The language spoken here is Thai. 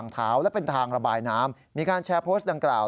ทางระบายน้ำมีการแชร์โพสต์ดังกล่าว